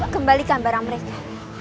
kembalikan barang mereka